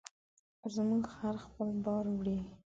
زموږ خر خپل بار وړي.